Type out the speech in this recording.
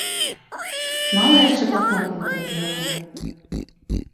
Мала яшчэ паплакала праз яго?